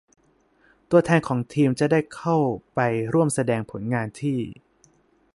ตัวแทนของทีมจะได้เข้าไปร่วมแสดงผลงานที่